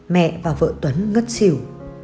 mẹ và vợ tuấn ngất xỉu